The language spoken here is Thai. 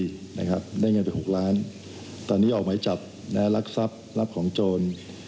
ได้เงินไป๖ล้านตอนนี้ออกหมายจับรักทรัพย์รับของโจร